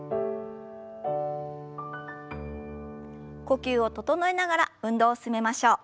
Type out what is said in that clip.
呼吸を整えながら運動を進めましょう。